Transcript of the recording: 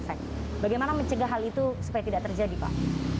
bagaimana mencegah hal itu supaya tidak terjadi pak